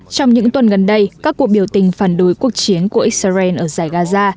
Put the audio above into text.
trong những tuần gần đây các cuộc biểu tình phản đối quốc chiến của israel ở dãy gaza